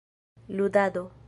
ludado